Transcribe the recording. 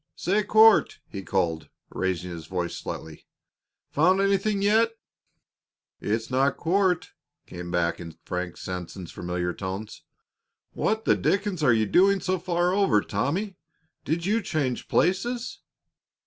"Say, Court," he called, raising his voice slightly, "found anything yet?" "It's not Court," came back in Frank Sanson's familiar tones. "What the dickens are you doing so far over, Tommy? Did you change places?"